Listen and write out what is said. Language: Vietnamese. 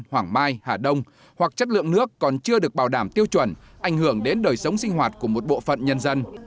hoàng mai hà đông hoặc chất lượng nước còn chưa được bảo đảm tiêu chuẩn ảnh hưởng đến đời sống sinh hoạt của một bộ phận nhân dân